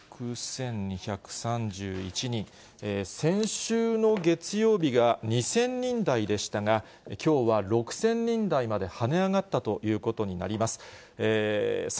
先週の月曜日が２０００人台でしたが、きょうは６０００人台まで跳ね上がったということになります。